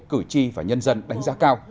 cử tri và nhân dân đánh giá cao